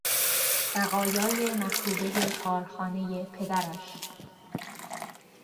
بقایای مخروبهی کارخانهی پدرش